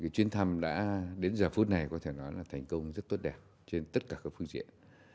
chuyến thăm đã đến giờ phút này có thể nói là thành công rất tốt đẹp trên tất cả các phương diện